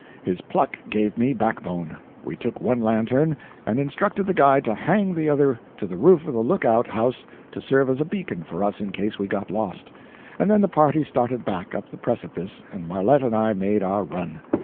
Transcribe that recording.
His pluck gave me back bone. We took one lantern and instructed the guides to hang the other to the roof of the look out house to serve as a beacon for us in case we got lost, and then the party started back up the precipice and Marlette and I made our run.